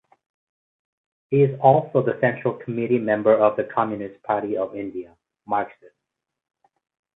He is also the Central Committee Member of Communist Party of India (Marxist).